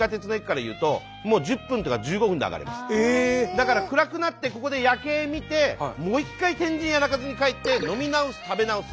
だから暗くなってここで夜景見てもう一回天神や中洲に帰って飲み直す食べ直す。